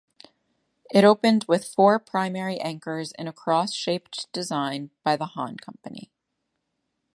It opened with four primary anchors in a cross-shaped design by The Hahn Company.